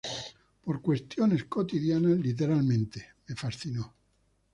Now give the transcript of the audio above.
Por cuestiones cotidianas, literalmente, me fascinó